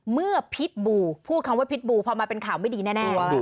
เมื่อพีชบูพูดคำว่าพีชบูพอมาเป็นข่าวไม่ดีแน่